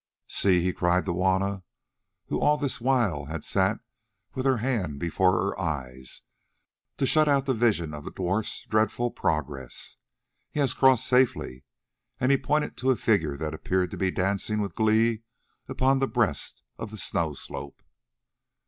"See," he cried to Juanna, who all this while had sat with her hand before her eyes to shut out the vision of the dwarf's dreadful progress, "he has crossed safely!" and he pointed to a figure that appeared to be dancing with glee upon the breast of the snow slope.